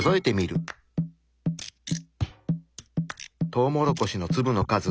トウモロコシの粒の数。